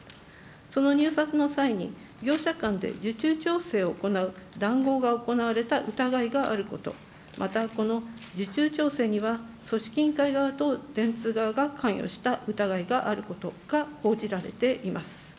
その入札の際に、業者間で受注調整を行う談合が行われた疑いがあること、またこの受注調整には組織委員会側と電通側が関与した疑いがあることが報じられています。